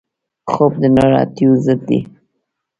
خوب د ناراحتیو ضد دی